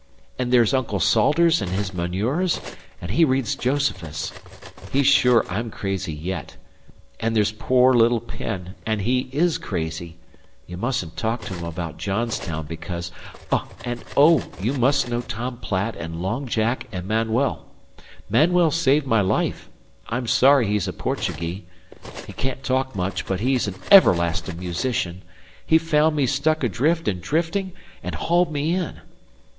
And there's Uncle Salters and his manures, an' he reads Josephus. He's sure I'm crazy yet. And there's poor little Penn, and he is crazy. You mustn't talk to him about Johnstown, because "And, oh, you must know Tom Platt and Long Jack and Manuel. Manuel saved my life. I'm sorry he's a Portuguee. He can't talk much, but he's an everlasting musician. He found me struck adrift and drifting, and hauled me in."